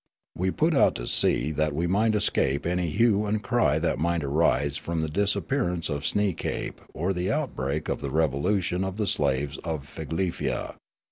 We put out to sea that we might escape an} hue and cry that might arise from the disappearance of Sneekape or the outbreak of the revolution of the slaves of Figlefia.